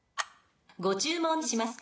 ご注文しますか？